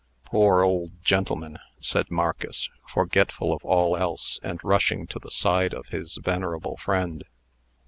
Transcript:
"Poor old gentleman!" said Marcus, forgetful of all else, and rushing to the side of his venerable friend.